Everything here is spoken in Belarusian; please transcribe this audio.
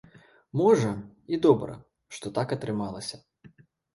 Можа, і добра, што так атрымалася.